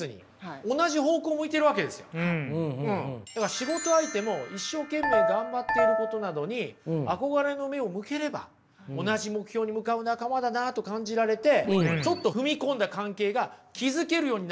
仕事相手も一生懸命頑張っていることなのに憧れの目を向ければ同じ目標に向かう仲間だなと感じられてちょっと踏み込んだ関係が築けるようになるんじゃないでしょうか。